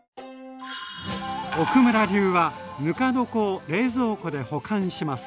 奥村流はぬか床を冷蔵庫で保管します。